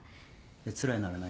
つらいなら何？